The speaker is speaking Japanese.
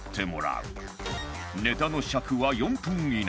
ネタの尺は４分以内